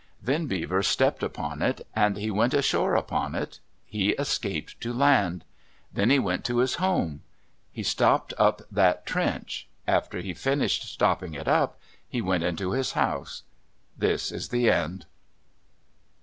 Then Beaver stepped upon it. And he went ashore upon it. He escaped to land. Then he went to his home. He stopped up that trench. After he finished stopping it up, he went into his house. This is the end.